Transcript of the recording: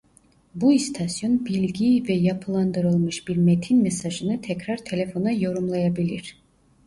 Bu istasyon bilgiyi ve yapılandırılmış bir metin mesajını tekrar telefona yorumlayabilir.